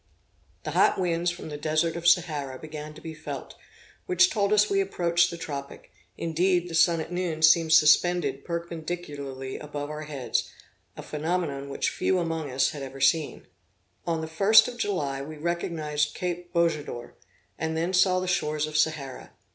The hot winds from the desert of Sahara began to be felt, which told us we approached the tropic; indeed, the sun at noon seemed suspended perpendicularly above our heads, a phenomenon which few among us had ever seen. On the 1st of July, we recognised Cape Bojador, and then saw the shores of Sahara.